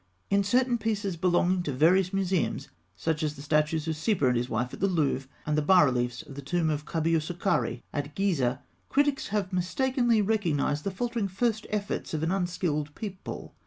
In certain pieces belonging to various museums, such as the statues of Sepa and his wife at the Louvre, and the bas reliefs of the tomb of Khabiûsokarî at Gizeh, critics have mistakenly recognised the faltering first efforts of an unskilled people.